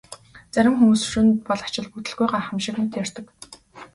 Зарим хүмүүс хөшөөнүүд бол ач холбогдолгүй гайхамшиг мэт ярьдаг.